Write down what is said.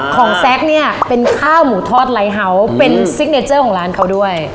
แซคเนี่ยเป็นข้าวหมูทอดไลท์เฮาส์เป็นซิกเนเจอร์ของร้านเขาด้วย